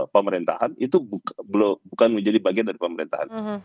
pemerintahan itu bukan menjadi bagian dari pemerintahan